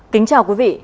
kính chào quý vị